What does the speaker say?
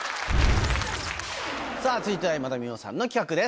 さぁ続いては今田美桜さんの企画です。